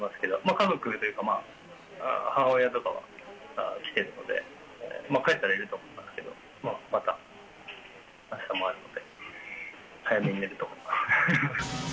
家族というか、母親とかは来てるので、帰ったらいると思いますけど、またあしたもあるので、早めに寝ると思います。